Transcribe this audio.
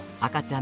ん？